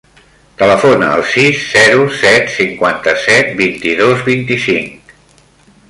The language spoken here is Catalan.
Telefona al sis, zero, set, cinquanta-set, vint-i-dos, vint-i-cinc.